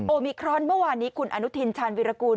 มิครอนเมื่อวานนี้คุณอนุทินชาญวิรากูล